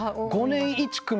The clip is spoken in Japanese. ５年１組？